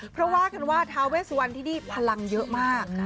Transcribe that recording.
เพราะว่ากันว่าทาเวสวันที่นี่พลังเยอะมาก